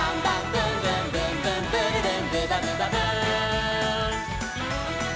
「ブンブンブンブンブルルンブバブバブン！」